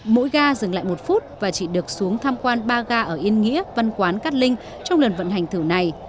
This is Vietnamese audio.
mỗi ga dừng lại một phút và chỉ được xuống tham quan ba ga ở yên nghĩa văn quán cát linh trong lần vận hành thử này